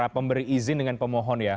pemberi izin dengan pemohon ya